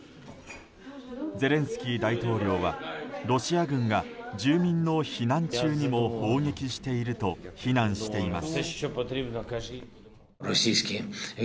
ゼレンスキー大統領はロシア軍が住民の避難中にも砲撃していると非難しています。